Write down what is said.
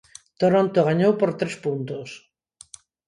Toronto gañou por tres puntos.